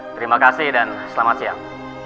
terima kasih dan selamat siang